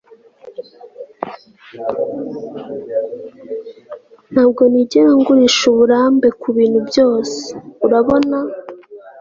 ntabwo nigera ngurisha uburambe kubintu byose, urabona